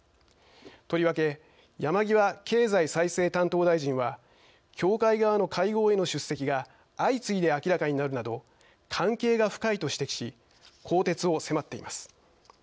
とりわけ山際経済再生担当大臣は教会側の会合への出席が相次いで明らかになるなど関係が深いと指摘し更迭を迫っています。